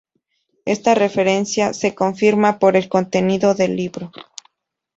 Esta referencia se confirma por el contenido del libro.